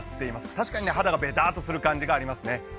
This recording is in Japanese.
確かにね、肌がべたっとする感じがありますね。